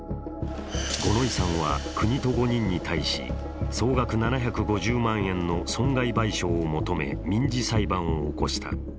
五ノ井さんは、国と５人に対し総額７５０万円の損害賠償を求め民事裁判を起こした。